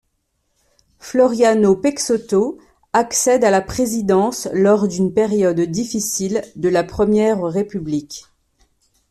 Floriano Peixoto accède à la présidence lors d'une période difficile de la Ire République.